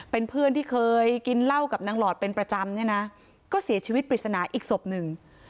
เป็นเพื่อนที่เคยกินเหล้ากับนางหลอดเป็นประจำเนี่ยนะก็เสียชีวิตปริศนาอีกศพหนึ่ง